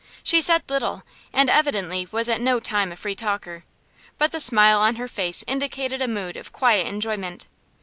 She said little, and evidently was at no time a free talker, but the smile on her face indicated a mood of quiet enjoyment.